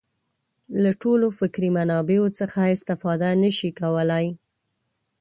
له ټولو فکري منابعو څخه استفاده نه شي کولای.